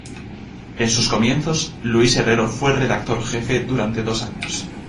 En sus comienzos, Luis Herrero fue redactor-jefe durante dos años.